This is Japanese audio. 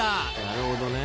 なるほどね。